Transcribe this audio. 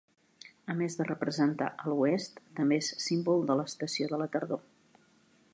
A més de representar a l'oest, també és símbol de l'estació de la tardor.